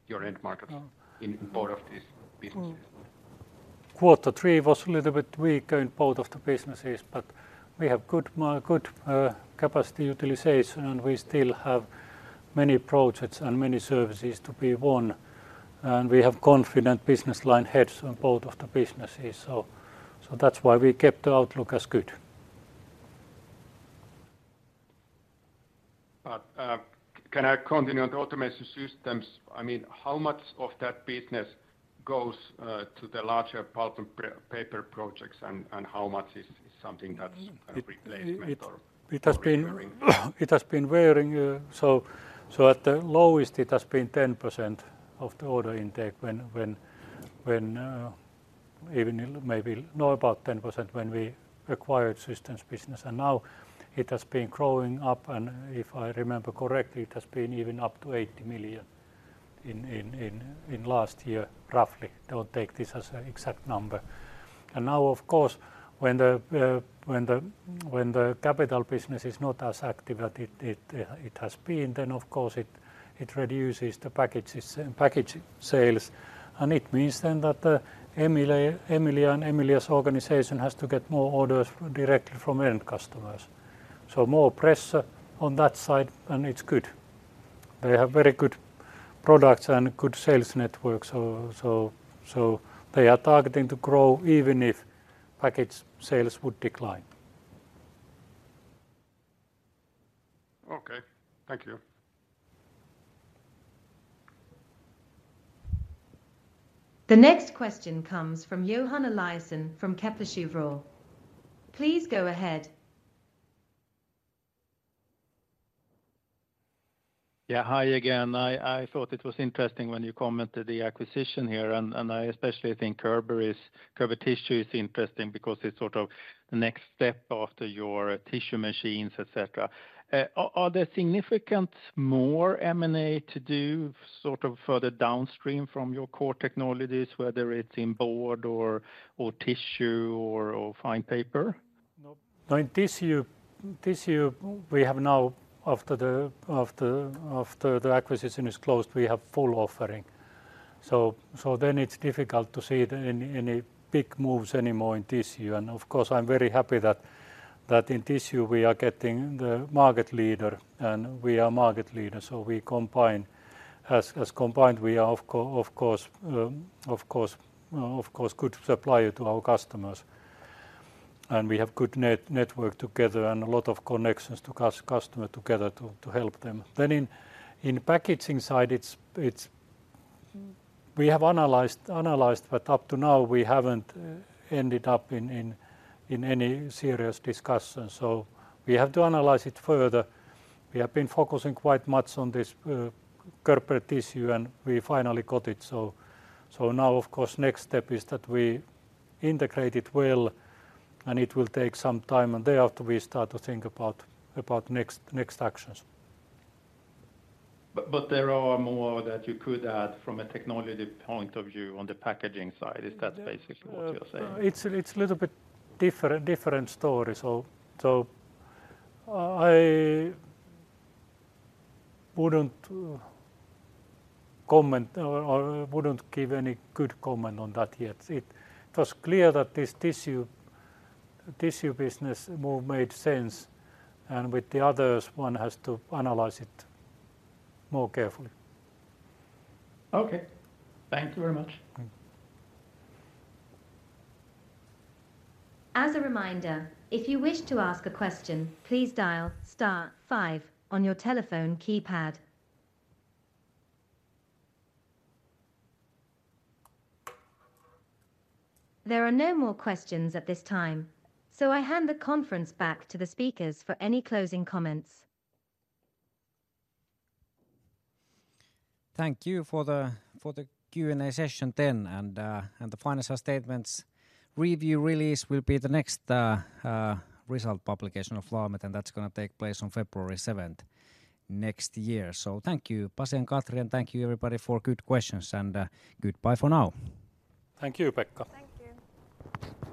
Speaker 10: your end markets in both of these businesses?
Speaker 2: Quarter three was a little bit weaker in both of the businesses, but we have good capacity utilization, and we still have many projects and many services to be won, and we have confident business line heads on both of the businesses. So that's why we kept the outlook as good.
Speaker 10: Can I continue on the Automation Systems? I mean, how much of that business goes to the larger pulp and paper projects, and how much is something that's kind of replacement or-
Speaker 2: It has been varying. So at the lowest, it has been 10% of the order intake when even maybe now about 10% when we acquired systems business. And now it has been growing up, and if I remember correctly, it has been even up to 80 million in last year, roughly. Don't take this as an exact number. And now, of course, when the capital business is not as active as it has been, then of course it reduces the package sales, and it means then that the Emilia, Emilia and Emilia's organization has to get more orders directly from end customers. So more pressure on that side, and it's good. They have very good products and good sales network, so they are targeting to grow even if package sales would decline.
Speaker 10: Okay. Thank you.
Speaker 4: The next question comes from Johan Eliason from Kepler Cheuvreux. Please go ahead.
Speaker 8: Yeah, hi again. I thought it was interesting when you commented the acquisition here, and I especially think Körber is—Körber Tissue is interesting because it's sort of the next step after your tissue machines, et cetera. Are there significant more M&A to do, sort of further downstream from your core technologies, whether it's in board or tissue or fine paper?
Speaker 2: No. No, in tissue, we have now after the acquisition is closed, we have full offering. So then it's difficult to see any big moves anymore in tissue. And of course, I'm very happy that in tissue, we are getting the market leader, and we are market leader, so we combine. As combined, we are of course good supplier to our customers, and we have good network together and a lot of connections to customer together to help them. Then in packaging side, it's. We have analyzed, but up to now, we haven't ended up in any serious discussion, so we have to analyze it further. We have been focusing quite much on this Körber Tissue, and we finally got it. So, now, of course, next step is that we integrate it well, and it will take some time, and thereafter we start to think about next actions.
Speaker 8: But, but there are more that you could add from a technology point of view on the packaging side. Is that basically what you're saying?
Speaker 2: It's a little bit different story. So I wouldn't comment or wouldn't give any good comment on that yet. It was clear that this tissue business move made sense, and with the others, one has to analyze it more carefully.
Speaker 8: Okay. Thank you very much.
Speaker 2: Thank you.
Speaker 4: As a reminder, if you wish to ask a question, please dial star five on your telephone keypad. There are no more questions at this time, so I hand the conference back to the speakers for any closing comments.
Speaker 1: Thank you for the Q&A session then, and the financial statements review release will be the next result publication of Valmet, and that's gonna take place on February seventh next year. So thank you, Pasi and Katri, and thank you, everybody, for good questions, and goodbye for now.
Speaker 2: Thank you, Pekka.
Speaker 7: Thank you.